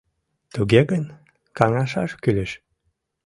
— Туге гын, каҥашаш кӱлеш.